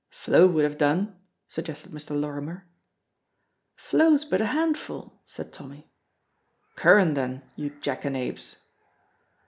"Flow would have done," suggested Mr. Lorrimer. "Flow's but a handful," said Tommy. "Curran, then, you jackanapes!"